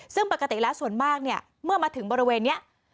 ซึ่งปกติแล้วส่วนมากเนี่ยเมื่อมาถึงบริเวณนี้